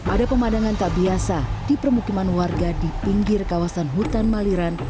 ada pemandangan tak biasa di permukiman warga di pinggir kawasan hutan maliran